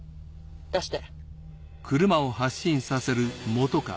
出して。